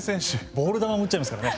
ボール球も打っちゃいますからね。